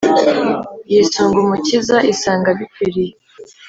yisunga umukiza isanga bikwiriye